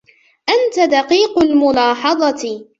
أنت دقيق الملاحظة.